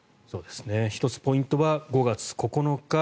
１つ、ポイントは５月９日